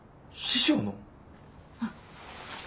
師匠の？